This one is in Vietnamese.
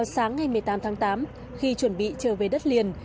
sáng ngày một mươi tám tháng tám khi chuẩn bị trở về đất liền